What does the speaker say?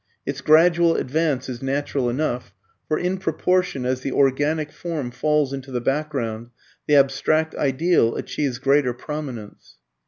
Its gradual advance is natural enough, for in proportion as the organic form falls into the background, the abstract ideal achieves greater prominence.